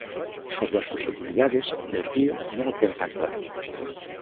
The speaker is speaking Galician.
Sobre as subxectividades, Del Río non o ten tan claro.